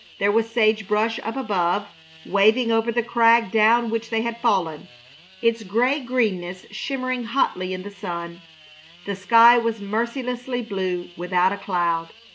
There was sage brush up above, waving over the crag down which they had fallen, its gray greenness shimmering hotly in the sun; the sky was mercilessly blue without a cloud.